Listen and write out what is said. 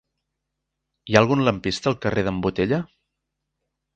Hi ha algun lampista al carrer d'en Botella?